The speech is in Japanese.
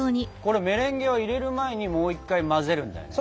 メレンゲは入れる前にもう一回混ぜるんだよね？